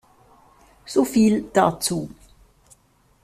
So viel dazu.